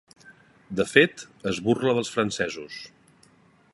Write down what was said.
De fet, es burla dels francesos.